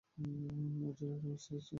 ওর জন্য একটা মেসেজ আছে।